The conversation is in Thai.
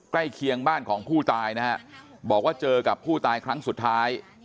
เคียงบ้านของผู้ตายนะฮะบอกว่าเจอกับผู้ตายครั้งสุดท้าย